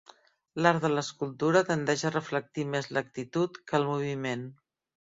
L'art de l'escultura tendeix a reflectir més l'actitud que el moviment.